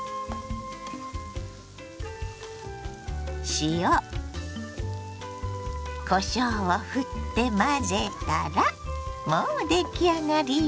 塩こしょうをふって混ぜたらもう出来上がりよ。